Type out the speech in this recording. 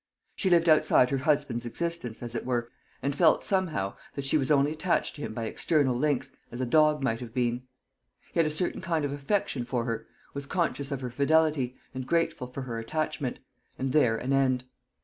She lived outside her husband's existence, as it were, and felt somehow that she was only attached to him by external links, as a dog might have been. He had a certain kind of affection for her, was conscious of her fidelity, and grateful for her attachment; and there an end.